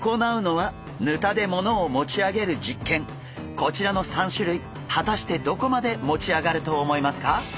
こちらの３種類果たしてどこまで持ち上がると思いますか？